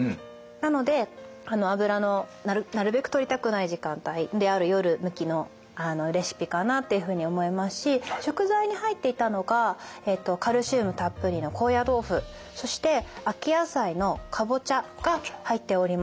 なので油のなるべくとりたくない時間帯である夜向きのレシピかなっていうふうに思いますし食材に入っていたのがカルシウムたっぷりの高野豆腐そして秋野菜のカボチャが入っております。